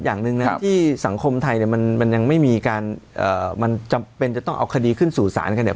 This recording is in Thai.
อย่างหนึ่งนะที่สังคมไทยเนี่ยมันยังไม่มีการมันจำเป็นจะต้องเอาคดีขึ้นสู่ศาลกันเนี่ย